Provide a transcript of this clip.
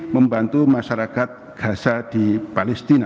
membantu masyarakat gaza di palestina